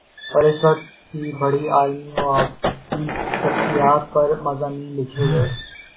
اور اس وقت کی بڑی علمی و ادبی شخصیات پر مضامین لکھے گئے